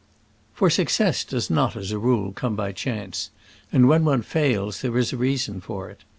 For success does not, as a rule, come by chance, and when one fails there is a reason for it.